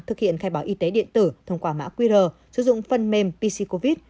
thực hiện khai báo y tế điện tử thông qua mã qr sử dụng phần mềm pccovid